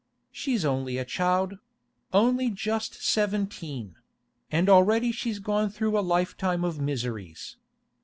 She's only a child—only just seventeen—and already she's gone through a lifetime of miseries.